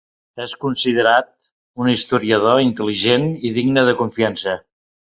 És considerat un historiador intel·ligent i digne de confiança.